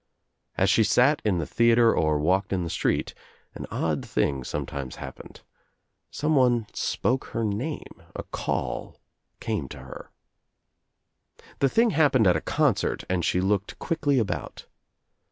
As she sat in the theatre or walked in the street an odd thing sometimes happened. Some* ■ one spoke her name, a call came to her. The thing happened at a concert and she looked quickly about.